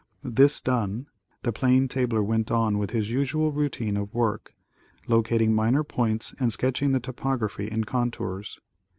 This done, the plane tabler went on with his usual routine of work, locating minor points and sketching the topography in contours.